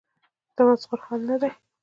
تمسخر حل نه دی.